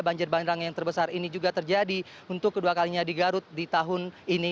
banjir bandang yang terbesar ini juga terjadi untuk kedua kalinya di garut di tahun ini